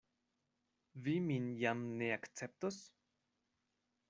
Vi min jam ne akceptos?